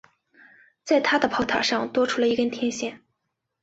在它的炮塔上多出了一根天线。